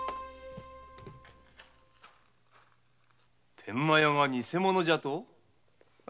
天満屋が偽者じゃと？